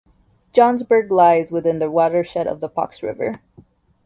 Johnsburg lies within the watershed of the Fox river.